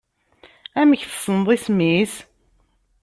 Amek tessneḍ isem-is?